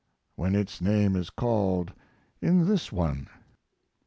when its name is called in this one.